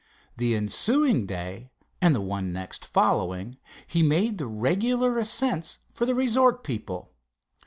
The ensuing day and the one next following he made the regular ascents for the resort people.